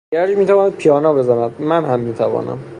ایرج میتواند پیانو بزند، من هم میتوانم.